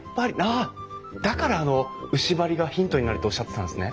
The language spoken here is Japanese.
ああだからあの牛梁がヒントになるとおっしゃってたんですね。